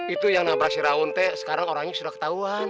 itu yang nabrak siraun teh sekarang orangnya sudah ketahuan